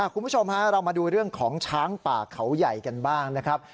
คุณผู้ชมฮะเรามาดูเรื่องของช้างป่าเขาใหญ่กันบ้างนะครับ